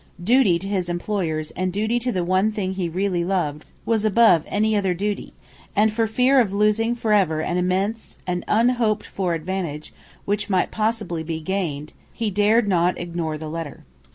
Duty to his employers and duty to the one thing he really loved was above any other duty; and for fear of losing forever an immense, an unhoped for advantage, which might possibly be gained, he dared not ignore the letter.